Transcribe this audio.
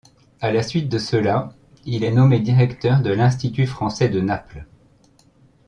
À la suite de cela, il est nommé directeur de l'Institut français de Naples.